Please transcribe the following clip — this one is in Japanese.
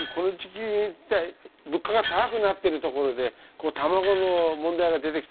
物価が高くなってるところで、たまごの問題が出てきた。